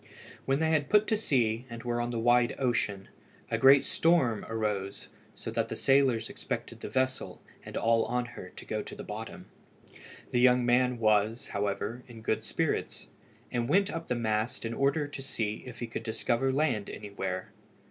When they had put to sea and were on the wide ocean, a great storm arose so that the sailors expected the vessel and all on her to go to the bottom. The young man was, however, in good spirits, and went up the mast in order to see if he could discover land anywhere.